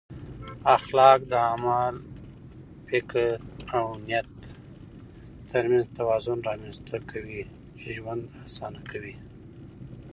اخلاق د عمل، فکر او نیت ترمنځ توازن رامنځته کوي چې ژوند اسانه کوي.